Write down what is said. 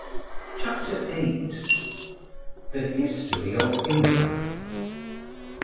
CHAPTER VIII THE HISTORY OF IMLAC.